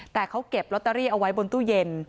แต่เขาเก็บลอตเตอรี่เอาไว้บนตู้เย็น